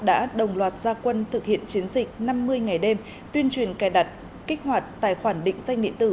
đã đồng loạt gia quân thực hiện chiến dịch năm mươi ngày đêm tuyên truyền cài đặt kích hoạt tài khoản định danh điện tử